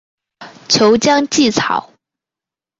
俅江芰草